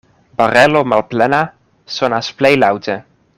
Barelo malplena sonas plej laŭte.